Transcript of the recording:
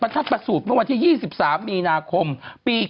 ชัดประสูจน์เมื่อวันที่๒๓มีนาคมปี๒๕